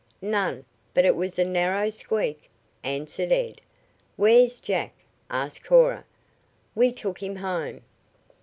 "None, but it was a narrow squeak," answered Ed. "Where's Jack?" asked Cora. "We took him home."